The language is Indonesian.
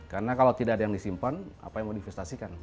karena kalau tidak ada yang disimpan apa yang mau diinvestasikan